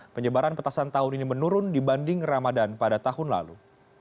penyebaran petasan tahun ini menurun dibanding ramadan pada tahun lalu